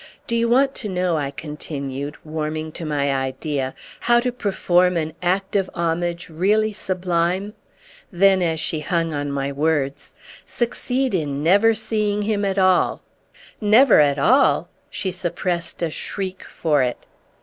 Do you want to know," I continued, warming to my idea, "how to perform an act of homage really sublime?" Then as she hung on my words: "Succeed in never seeing him at all!" "Never at all?"—she suppressed a shriek for it.